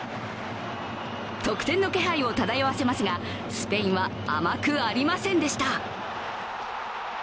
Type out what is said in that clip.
得点の気配を漂わせますがスペインは甘くありませんでした。